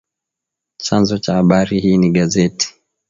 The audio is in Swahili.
Chanzo cha habari hii ni gazeti